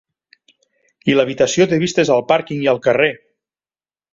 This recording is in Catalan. I l'habitació té vistes al pàrquing i al carrer!